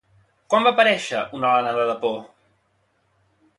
Quan va aparèixer una alenada de por?